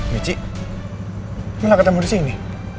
ya ci kenapa ketemu disini